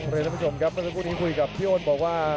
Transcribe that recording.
แล้วต้องเรียนท่านผู้ชมครับพี่โอ้นบอกว่า